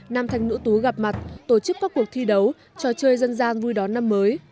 nam thanh nữ tú gặp mặt tổ chức các cuộc thi đấu trò chơi dân gian vui đón năm mới